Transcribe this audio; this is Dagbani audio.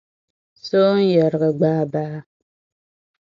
Sooŋ’ yariga gbaai baa.